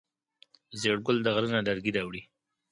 زیړ ګل د غره نه لرګی راوړی.